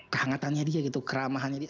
kehangatannya dia gitu keramahannya